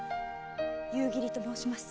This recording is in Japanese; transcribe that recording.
夕霧と申します。